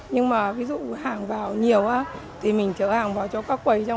nhưng mà ví dụ hàng vào nhiều á thì mình chở hàng vào cho các quầy